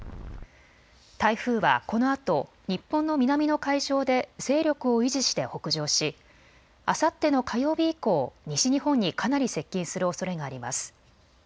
台風はこのあと日本の南の海上で勢力を維持して北上しあさっての火曜日以降、西日本にかなり接近するおそれがあります。